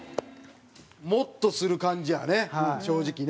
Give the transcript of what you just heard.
もっとする感じやね、正直ね。